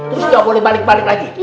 terus gak boleh balik balik lagi